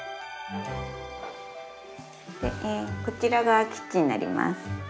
でえこちらがキッチンになります。